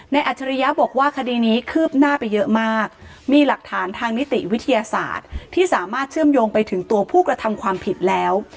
อัจฉริยะบอกว่าคดีนี้คืบหน้าไปเยอะมากมีหลักฐานทางนิติวิทยาศาสตร์ที่สามารถเชื่อมโยงไปถึงตัวผู้กระทำความผิดแล้ว